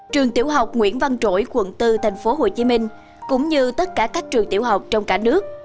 trường tiểu học nguyễn văn trỗi quận bốn tp hcm cũng như tất cả các trường tiểu học trong cả nước